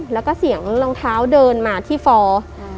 แล้วก็เสียงรองเท้าเดินมาที่ฟอร์